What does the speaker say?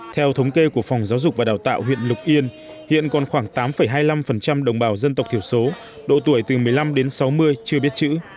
theo thống kê của phòng giáo dục và đào tạo huyện lục yên hiện còn khoảng tám hai mươi năm đồng bào dân tộc thiểu số độ tuổi từ một mươi năm đến sáu mươi chưa biết chữ